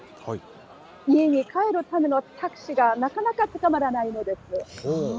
家に帰るためのタクシーがなかなか捕まらないのです。